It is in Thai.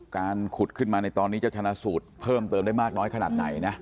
การขุดขึ้นมาในตอนนี้จะชนะสูตรเพิ่มเติมได้มากน้อยขนาดไหนนะ